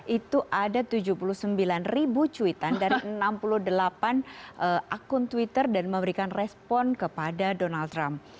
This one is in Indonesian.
itu ada tujuh puluh sembilan ribu cuitan dari enam puluh delapan akun twitter dan memberikan respon kepada donald trump